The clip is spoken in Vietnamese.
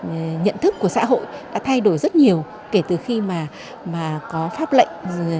chúng ta sẽ nhận thấy là nhận thức của xã hội đã thay đổi rất nhiều kể từ khi mà có pháp lệnh